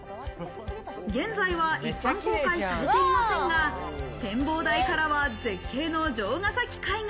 現在は一般公開されていませんが、展望台からは絶景の城ヶ崎海岸。